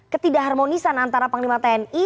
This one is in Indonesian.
ketidak harmonisan antara panglima tni